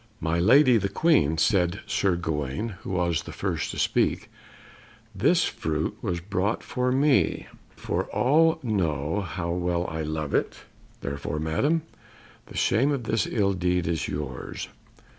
"My lady, the Queen," said Sir Gawaine, who was the first to speak, "this fruit was brought for me, for all know how well I love it; therefore, Madam, the shame of this ill deed is yours."